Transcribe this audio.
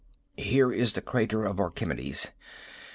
Here is the Crater of Archimedes.